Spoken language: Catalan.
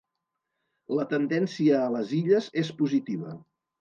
La tendència a les Illes és positiva.